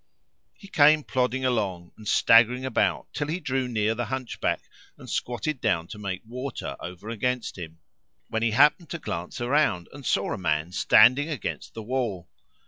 He came plodding along and staggering about till he drew near the Hunchback and squatted down to make water[FN#505] over against him; when he happened to glance around and saw a man standing against the wall.